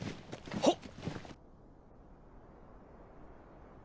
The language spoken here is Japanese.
はっ！